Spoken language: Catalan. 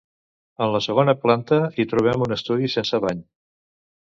En la segona planta hi trobem un estudi sense bany.